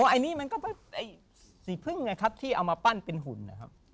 อันนี้มันก็สีพึ่งไงครับที่เอามาปั้นเป็นหุ่นนะครับ